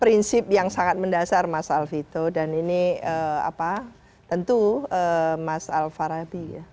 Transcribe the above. prinsip yang sangat mendasar mas alfito dan ini tentu mas alfarabi